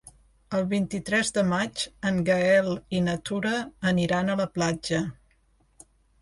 El vint-i-tres de maig en Gaël i na Tura aniran a la platja.